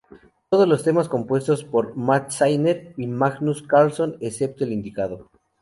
Todos los temas compuestos por Mat Sinner y Magnus Karlsson excepto el indicado